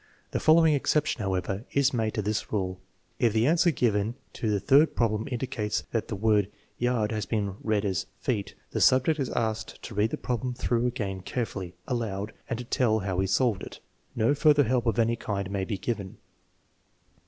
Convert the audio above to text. The following exception, however, is made to this rule: If the answer given to the third problem indicates that the word yard has been read asfeet, the sub ject is asked to read the problem through again carefully (aloud) and to tell how he solved it. No further help of any kind may be given.